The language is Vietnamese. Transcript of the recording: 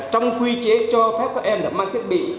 trong quy chế cho phép các em đã mang thiết bị